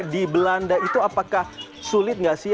di belanda itu apakah sulit nggak sih